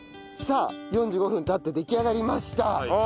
さあ４５分経って出来上がりました。